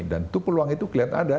dan itu peluang itu klien ada